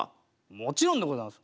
もちろんでございます。